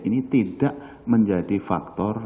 ini tidak menjadi faktor